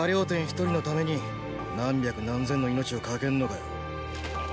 一人のために何百何千の命を賭けんのかよ。